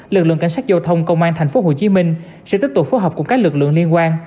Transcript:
lực lượng cảnh sát giao thông công an tp hcm sẽ tiếp tục phối hợp cùng các lực lượng liên quan